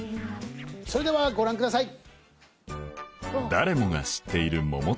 それではご覧ください。